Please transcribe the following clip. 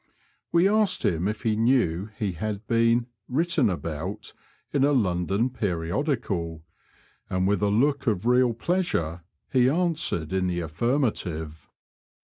We asked him if he knew he had been ^* written about" in a London periodical, and with a look of real pleasure he answered in the affirmative.